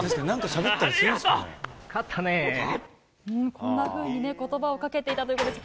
こんなふうにことばをかけていたということです。